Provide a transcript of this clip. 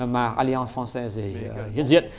mà allianz francaise hiện diện